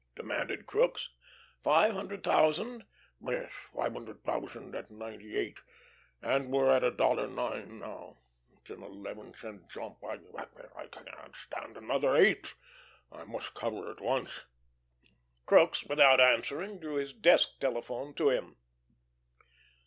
demanded Crookes. "Five hundred thousand?" "Yes, five hundred thousand at ninety eight and we're at a dollar nine now. It's an eleven cent jump. I I can't stand another eighth. I must cover at once." Crookes, without answering, drew his desk telephone to him.